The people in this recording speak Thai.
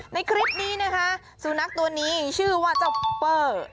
ในคลิปนี้นะคะสุนัขตัวนี้ชื่อว่าเจ้าเปอร์